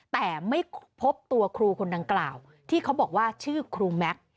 แต่ไม่พบตัวครูคนดังกล่าวที่เขาบอกว่าชื่อครูแม็กซ์